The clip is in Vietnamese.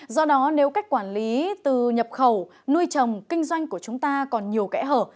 do đó nếu cách quản lý từ nhập khẩu nuôi trồng kinh doanh của chúng ta còn nhiều kẽ hở